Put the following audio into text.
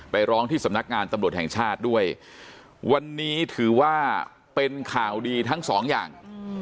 ร้องที่สำนักงานตำรวจแห่งชาติด้วยวันนี้ถือว่าเป็นข่าวดีทั้งสองอย่าง